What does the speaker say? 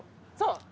そう。